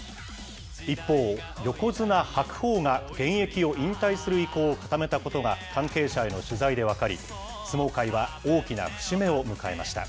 一方、横綱・白鵬が現役を引退する意向を固めたことが関係者への取材で分かり、相撲界は大きな節目を迎えました。